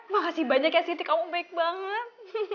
makasih banyak ya siti kamu baik banget